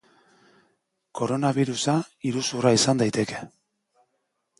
Koronabirusa iruzurra izan daiteke!